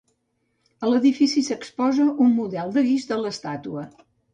A l'edifici s'exposa un model de guix de l'estàtua.